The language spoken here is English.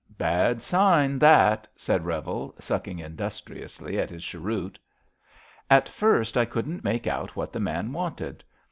Bad sign, that," said Revel, sucking indus triously at his cheroot. At first I couldn't make out what the man wanted.